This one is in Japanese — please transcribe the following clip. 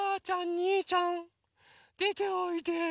にーちゃんでておいで。